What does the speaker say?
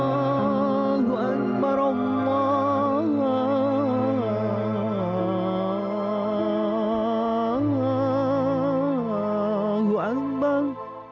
allahu akbar allahu akbar